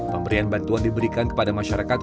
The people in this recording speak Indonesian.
pemberian bantuan diberikan kepada masyarakat